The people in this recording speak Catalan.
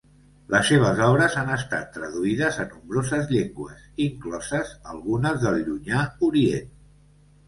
Les seves obres han estat traduïdes a nombroses llengües, incloses algunes del Llunyà Orient.